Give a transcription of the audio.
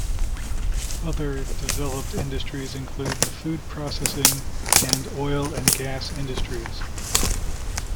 Other developed industries include the food processing and oil and gas industries.